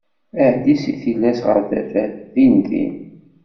Aɛeddi seg tillas ɣer tafat din din.